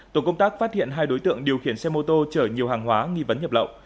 tổ công tác phát hiện hai đối tượng điều khiển xe mô tô chở nhiều hàng hóa nghi vấn nhập lậu